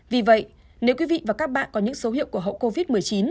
vì vậy nếu quý vị và các bạn có những dấu hiệu của hậu covid một mươi chín